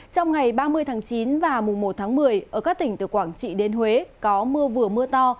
trong ngày ba mươi tháng chín và mùng một tháng một mươi ở các tỉnh từ quảng trị đến huế có mưa vừa mưa to